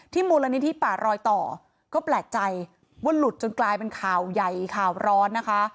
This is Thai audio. มูลนิธิป่ารอยต่อก็แปลกใจว่าหลุดจนกลายเป็นข่าวใหญ่ข่าวร้อนนะคะ